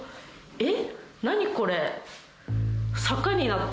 えっ？